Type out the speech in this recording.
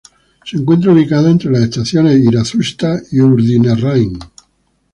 Se encuentra ubicada entre las estaciones Irazusta y Urdinarrain.